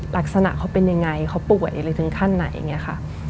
ลักษณะเขาเป็นยังไงเขาป่วยอะไรถึงขั้นไหนอย่างนี้ค่ะ